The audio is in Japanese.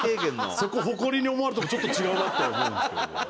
そこ誇りに思われてもちょっと違うなとは思うんですけど。